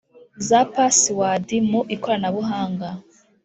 za pasiwadi mu ikorana-buhanga???